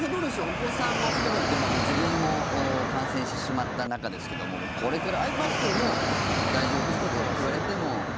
お子さんも含めて、自分も感染してしまった中ですけどもこれから、はい、マスクもう大丈夫ですよって言われても。